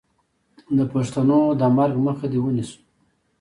د پښتو د مرګ مخه دې ونیسو.